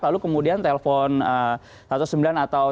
lalu kemudian telpon sembilan belas atau satu ratus dua belas